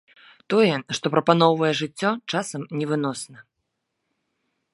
Тое, што прапаноўвае жыццё, часам невыносна.